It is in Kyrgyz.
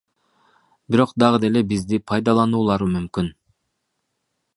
Бирок дагы деле бизди пайдалануулары мүмкүн.